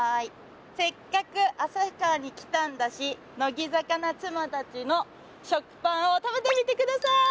せっかく旭川に来たんだし「乃木坂な妻たち」の食パンを食べてみてください！